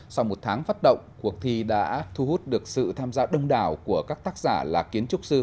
sau một tháng phát động cuộc thi đã thu hút được sự tham gia đông đảo của các tác giả là kiến trúc sư